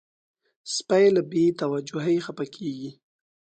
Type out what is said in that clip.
سپي له بې توجهۍ خپه کېږي.